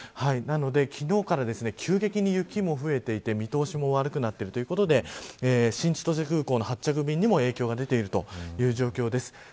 なので昨日から急激に雪も増えていって見通しも悪くなってるということで新千歳空港の発着便にも影響が出ている状況です。